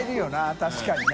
確かにな。